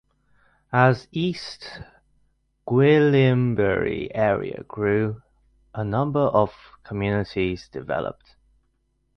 As the East Gwillimbury area grew, a number of communities developed.